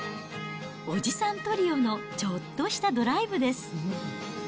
おじさんトリオのちょっとしたドライブです。